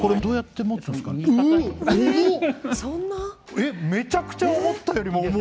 えっめちゃくちゃ思ったよりも重い！